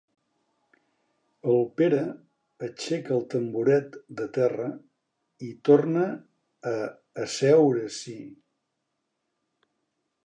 El Pere aixeca el tamboret de terra i torna a asseure-s'hi.